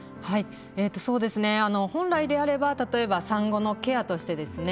そうですね本来であれば例えば産後のケアとしてですね